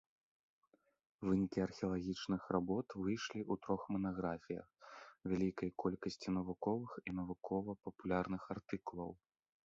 Вынікі археалагічных работ выйшлі ў трох манаграфіях, вялікай колькасці навуковых і навукова-папулярных артыкулаў.